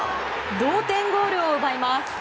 同点ゴールを奪います。